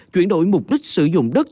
chuyển đổi mục đích sử dụng đất